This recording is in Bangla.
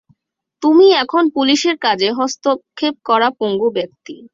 তুমি এখন পুলিশের কাজে হস্তক্ষেপ করা পঙ্গু ব্যক্তি।